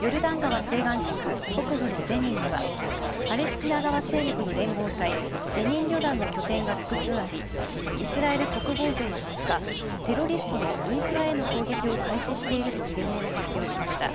ヨルダン川西岸地区北部のジェニンにはパレスチナ側勢力の連合体ジェニン旅団の拠点が複数あり、イスラエル国防軍は２日、テロリストのインフラへの攻撃を開始していると声明を発表しました。